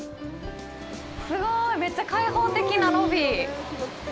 すごいめっちゃ開放的なロビー